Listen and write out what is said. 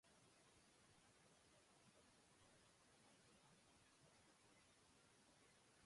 La iglesia está dedicada al Santo Cristo de la Salud.